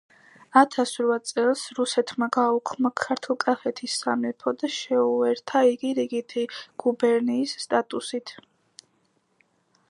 ათას რვა წელს რუსეთმა გააუქმა ქართლკახეთის სამეფო და შეიერთა იგი რიგითი გუბერნიის სატატუსით